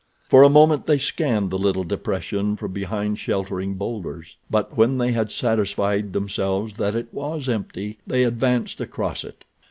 For a moment they scanned the little depression from behind sheltering bowlders, but when they had satisfied themselves that it was empty they advanced across it.